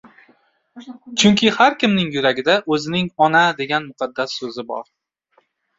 Chunki har kimning yuragida o‘zining “Ona!” degan muqaddas so‘zi bor.